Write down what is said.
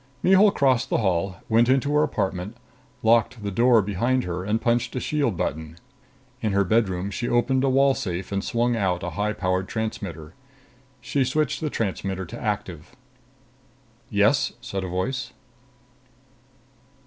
Mihul crossed the hall, went into her apartment, locked the door behind her and punched a shield button. In her bedroom, she opened a wall safe and swung out a high powered transmitter. She switched the transmitter to active. "Yes?" said a voice.